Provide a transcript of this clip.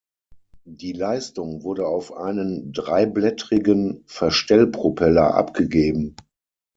Die Leistung wurde auf einen dreiblättrigen Verstellpropeller abgegeben.